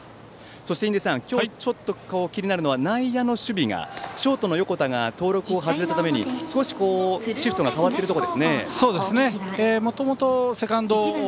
そして印出さん今日ちょっと気になるのが内野の守備がショートの横田が登録を外れたために少しシフトが変わっているところですね。